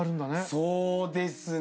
そうですね。